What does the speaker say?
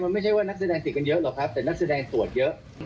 ไม่ใช่ว่านักแสดงติดกันเยอะหรอกครับแต่นักแสดงตรวจเยอะ